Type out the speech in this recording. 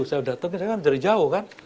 loh saya datang ini saya kan dari jauh kan